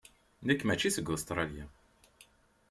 Nekk mačči seg Ustṛalya.